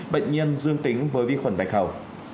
bệnh nhân dương tính với vi khuẩn bạch hầu